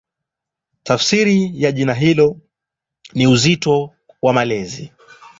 Tafsiri ya jina hilo ni "Uzito wa Malezi".